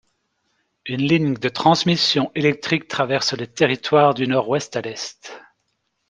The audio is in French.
Une ligne de transmission électrique traverse le territoire du nord-ouest à l'est.